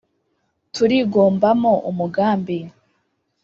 Turigombamo umugambi